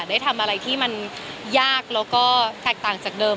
ได้ทำอะไรที่มันยากแล้วก็แตกต่างจากเดิม